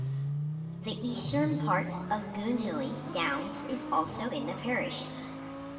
The eastern part of Goonhilly Downs is also in the parish.